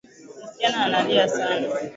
Msichana analia sana